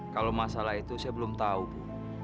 kalau masalah itu saya belum tahu bu